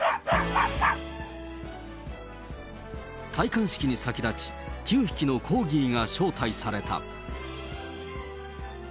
戴冠式に先立ち、９匹のコーギーが招待された。